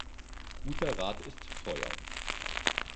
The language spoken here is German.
Guter Rat ist teuer.